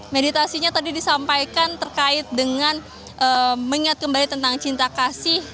meditasinya tadi disampaikan terkait dengan mengingat kembali tentang cinta kasih